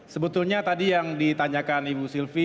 sebetulnya tadi yang ditanyakan ibu sylvi